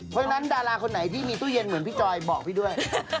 เพราะฉะนั้นดาราคนไหนที่มีตู้เย็นเหมือนพี่จอยบอกพี่ด้วย